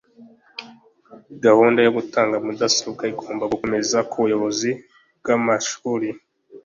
Gahunda yo gutanga mudasobwa igomba gukomereza ku bayobozi b’amashuri